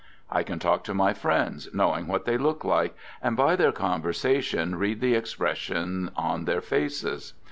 I can talk to my friends, knowing what they look like, and by their conversation read the expression on their faces.